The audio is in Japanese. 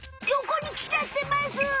よこにきちゃってます！